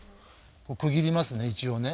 区切りますね一応ね。